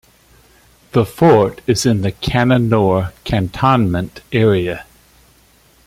The fort is in the Cannanore Cantonment area.